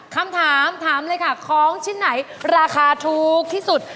คำถามถามเลยค่ะของชิ้นไหนราคาถูกที่สุด